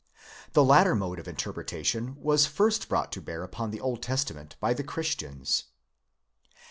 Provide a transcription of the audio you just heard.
The latter mode of interpretation was first brought to bear upon the Old Testament by the Christians.